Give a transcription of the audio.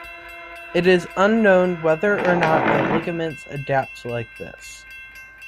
It is unknown whether or not the ligaments adapt like this.